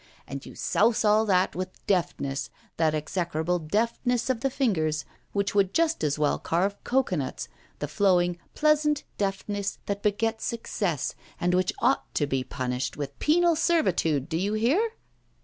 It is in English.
And you souse all that with deftness, that execrable deftness of the fingers which would just as well carve cocoanuts, the flowing, pleasant deftness that begets success, and which ought to be punished with penal servitude, do you hear?